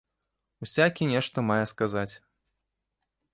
Усякі нешта мае сказаць.